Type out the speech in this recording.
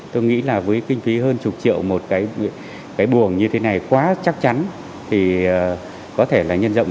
tôi nghĩ là với kinh phí hơn chục triệu một cái buồng như thế này quá chắc chắn thì có thể là nhân rộng